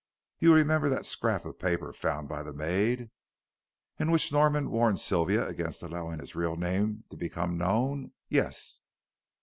You remember that scrap of paper found by the maid?" "In which Norman warned Sylvia against allowing his real name to become known? Yes."